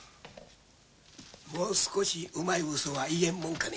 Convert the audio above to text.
もう少しうまいウソは言えんもんかね？